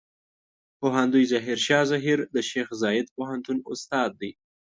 پوهندوی ظاهر شاه زهير د شیخ زايد پوهنتون استاد دی.